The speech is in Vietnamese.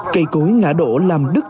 cây cối ngã đổ làm đứt